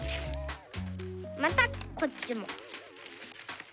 またこっちも。